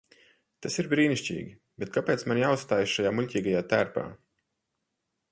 Tas ir brīnišķīgi, bet kāpēc man jāuzstājas šajā muļķīgajā tērpā?